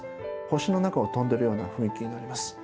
星の中を飛んでるような雰囲気になります。